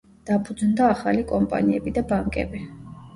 დაფუძნდა ახალი კომპანიები და ბანკები.